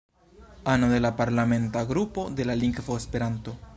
Ano de la Parlamenta Grupo de la Lingvo Esperanto.